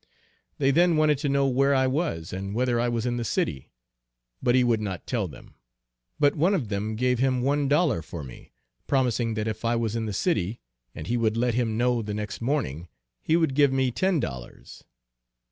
They then wanted to know where I was and whether I was in the city; but he would not tell them, but one of them gave him one dollar for me, promising that if I was in the city, and he would let him know the next morning, he would give me ten dollars.